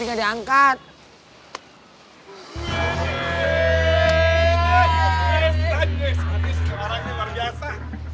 ini orangnya luar biasa